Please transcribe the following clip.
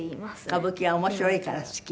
「歌舞伎は面白いから好き」。